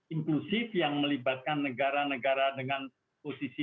inklusif yang melibatkan negara negara dengan posisi